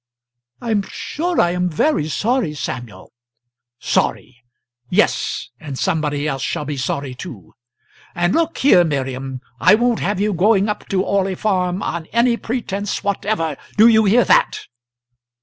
"I'm sure I'm very sorry, Samuel." "Sorry; yes, and somebody else shall be sorry too. And look here, Miriam, I won't have you going up to Orley Farm on any pretence whatever; do you hear that?"